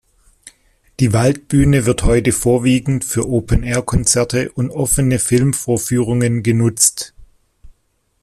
Die Waldbühne wird heute vorwiegend für Open-Air-Konzerte und offene Filmvorführungen genutzt.